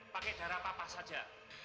pakai darah papa saja